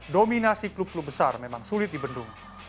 dominasi klub klub besar memang sulit di bendung